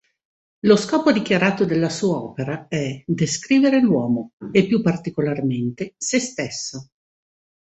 Lo scopo dichiarato della sua opera è "descrivere l'uomo, e più particolarmente se stesso".